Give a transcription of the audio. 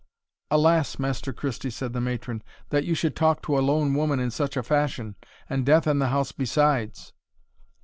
"Alas! Master Christie," said the matron, "that you should talk to a lone woman in such a fashion, and death in the house besides!"